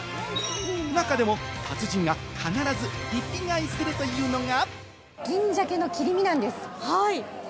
中でも達人が必ずリピ買いするというのが。